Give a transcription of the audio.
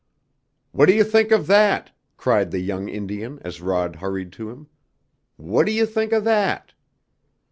"What do you think of that?" cried the young Indian as Rod hurried to him. "What do you think of that?"